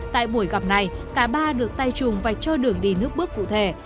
tại buổi gặp này cả ba được tay trùng và cho đường đi nước bước cụ thể